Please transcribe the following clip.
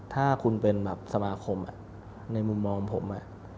ถ้าคุณเป็นแบบสมาคมในมุมมองผม